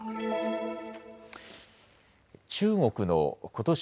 中国のことし